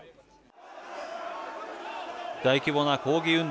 大規模な抗議運動